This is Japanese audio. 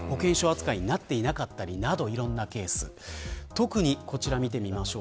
特にこちらを見てみましょう。